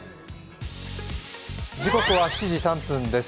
時刻は７時３分です。